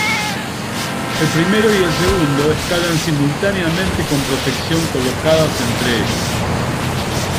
El primero y el segundo escalan simultáneamente con protección colocadas entre ellos.